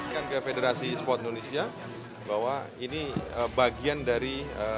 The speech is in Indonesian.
kepada federasi esports indonesia bahwa ini bagian dari